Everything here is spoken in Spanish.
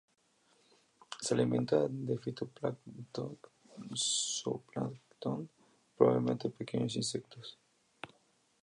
Se alimentan de fitoplancton, zooplancton y probablemente pequeños insectos.